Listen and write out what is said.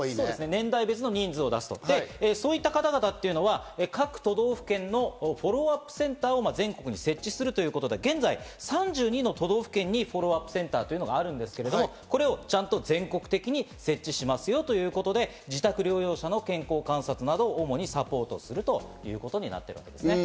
年代別のニーズを出すと、そういった方々は各都道府県のフォローアップセンターを全国に設置するということで、現在、３２の都道府県にフォローアップセンターというのがあるんですけれども、これをちゃんと全国的に設置しますよということで、自宅療養者の健康観察などを主にサポートするということになっていますね。